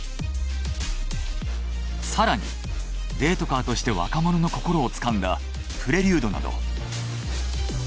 更にデートカーとして若者の心をつかんだプレリュードなど。